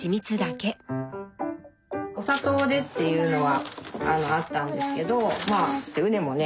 お砂糖でっていうのはあったんですけど羽根もね